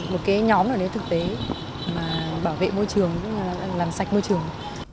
một cái nhóm nào nếu thực tế mà bảo vệ môi trường làm sạch môi trường